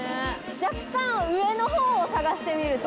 若干上の方を探してみると。